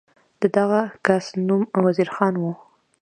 د دغه کس نوم وزیر خان و.